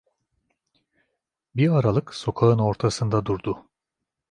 Bir aralık sokağın ortasında durdu.